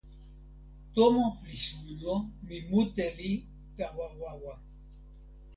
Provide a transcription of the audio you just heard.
tomo li suno. mi mute li tawa wawa.